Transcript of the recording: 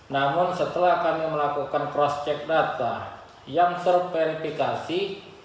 namun setelah kami melakukan cross check data yang terverifikasi